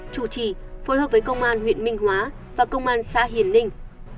chủ trì phối hợp với công an huyện minh hóa và công an xã hiền ninh